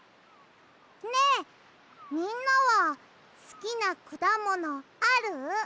ねえみんなはすきなくだものある？